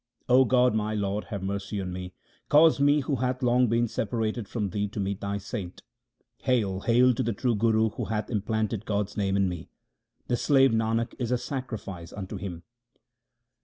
O God, my Lord, have mercy on me, cause me, who hath long been separated from Thee, to meet Thy saint. Hail ! hail to the true Guru who hath implanted God's name in me ! The slave Nanak is a sacrifice unto him.